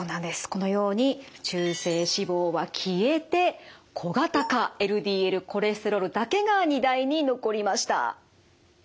このように中性脂肪は消えて小型化ＬＤＬコレステロールだけが荷台に残りました。